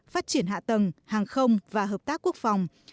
phát triển hạ tầng hàng không và hợp tác quốc phòng